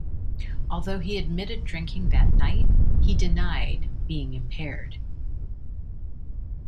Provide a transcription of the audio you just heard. Although he admitted drinking that night, he denied being impaired.